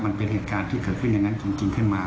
มันเป็นเหตุการณ์ที่เกิดขึ้นอย่างนั้นจริงขึ้นมา